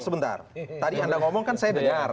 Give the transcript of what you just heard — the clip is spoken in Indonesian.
sebentar tadi anda ngomong kan saya dengar